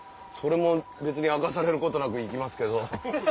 それも別に明かされることなく行きますけど。